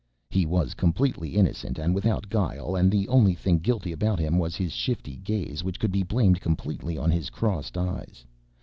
He was completely innocent and without guile and the only thing guilty about him was his shifty gaze which could be blamed completely on his crossed eyes.